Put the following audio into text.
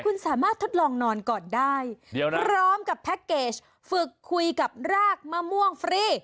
คุณสามารถทดลองนอนก่อนได้เดี๋ยวนะพร้อมกับแพ็คเกจฝึกคุยกับรากมะม่วงฟรี